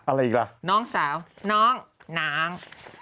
อะไรอีกล่ะน้องสาวน้องนาง